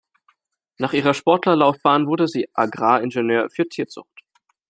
Nach ihrer Sportlerlaufbahn wurde sie Agraringenieur für Tierzucht.